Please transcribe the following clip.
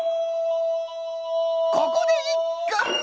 ここでいっく。